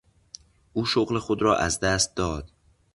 او شغل خود را از دست داد.